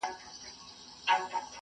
زه لا هم درس لوستی دی!؟